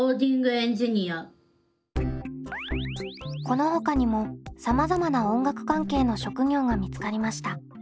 このほかにもさまざまな音楽関係の職業が見つかりました。